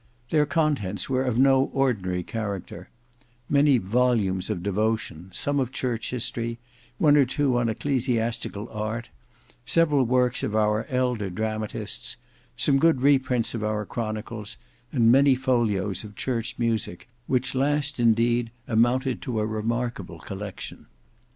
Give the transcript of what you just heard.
Their contents were of no ordinary character: many volumes of devotion, some of church history, one or two on ecclesiastical art, several works of our elder dramatists, some good reprints of our chronicles, and many folios of church music, which last indeed amounted to a remarkable collection.